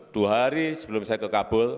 dua hari sebelum saya ke kabul